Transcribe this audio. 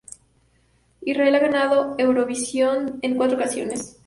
Israel ha ganado Eurovisión en cuatro ocasiones.